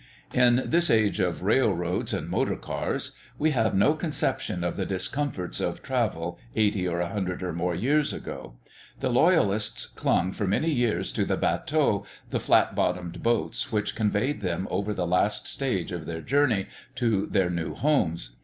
In this age of railroads and motor cars we have no conception of the discomforts of travel eighty or a hundred or more years ago. The Loyalists clung for many years to the bateaux, the flat bottomed boats, which conveyed them over the last stage of their journey to their new homes.